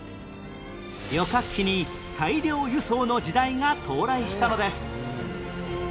旅客機に大量輸送の時代が到来したのです